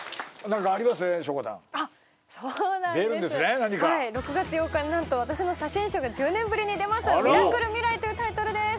何かはい６月８日になんと私の写真集が１０年ぶりに出ます「ミラクルミライ」というタイトルです